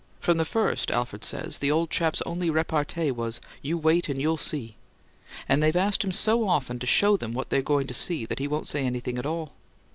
From the first, Alfred says, the old chap's only repartee was, 'You wait and you'll see!' And they've asked him so often to show them what they're going to see that he won't say anything at all!"